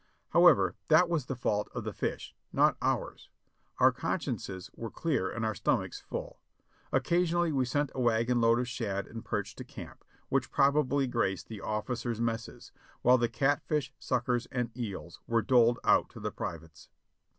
However, that was the fault of the fish, not ours. Our consciences were clear and our stomachs full. Occasionally we sent a wagon load of shad and perch to camp, which probably graced the officers' messes, while the catfish, suckers, and eels were doled out to the privates.